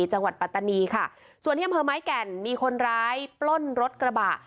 ปัตตานีค่ะส่วนที่อำเภอไม้แก่นมีคนร้ายปล้นรถกระบะ